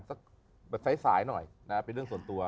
สักแบบสายหน่อยนะเป็นเรื่องส่วนตัว